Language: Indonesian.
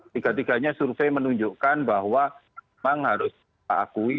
tiga tiganya survei menunjukkan bahwa memang harus diakui